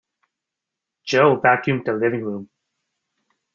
Jo vacuumed the living room.